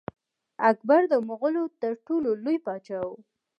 اکبر د مغولو تر ټولو لوی پاچا و.